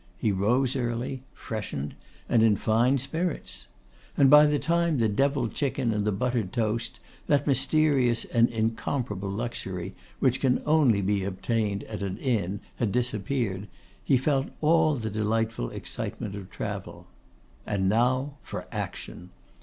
He rose early, freshened, and in fine spirits. And by the time the deviled chicken and the buttered toast, that mysterious and incomparable luxury, which can only be obtained at an inn, had disappeared, he felt all the delightful excitement of travel. And now for action!